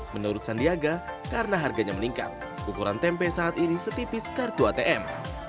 menurut sandiaga karena harganya meningkat ukuran tempe saat ini setipis kartu atm